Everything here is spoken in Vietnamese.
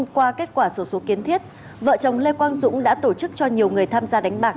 qua kết quả sổ số kiến thiết vợ chồng lê quang dũng đã tổ chức cho nhiều người tham gia đánh bạc